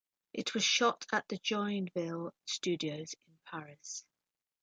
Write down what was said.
It was shot at the Joinville Studios in Paris.